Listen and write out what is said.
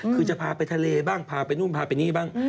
คือจะพาไปทะเลบ้างพาไปนู่นพาไปนี่บ้าง